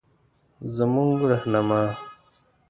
زمونره رهنما